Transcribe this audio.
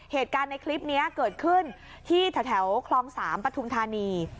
เหตุการณ์ในคลิปนี้เกิดขึ้นที่แถวคลอง๓ปทุมธานี